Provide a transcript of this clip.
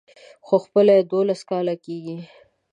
خو خپله يې دولس کاله کېږي.